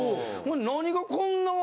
何がこんな笑